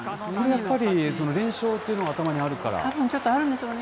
やっぱりその連勝というのが頭にあるから。